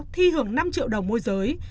thi hưởng năm triệu đồng môi giới